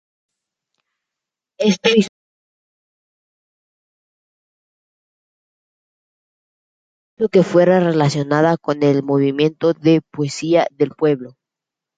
Esto hizo que fuera relacionada con el movimiento de "poesía del pueblo".